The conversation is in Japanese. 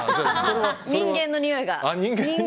人間のにおいが。